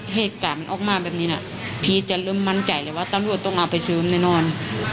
คือเราไม่รู้จะหันหน้าไปพึ่งใครอีกแล้วอย่างที่พี่เคยบอก